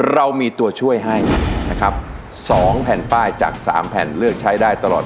เรามีตัวช่วยให้นะครับ๒แผ่นป้ายจาก๓แผ่นเลือกใช้ได้ตลอด